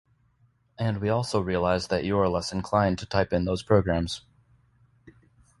And we also realize that "you're" less inclined to type in those programs".